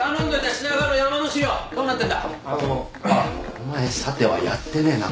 お前さてはやってねえな。